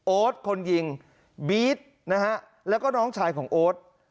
โอ๊ตคนยิงบี๊ดแล้วก็น้องชายของโอ๊ต